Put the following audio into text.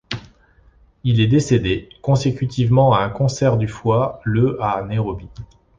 Il est décédé, consécutivement à un cancer du foie, le à Nairobi.